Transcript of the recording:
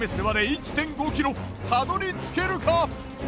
たどり着けるか？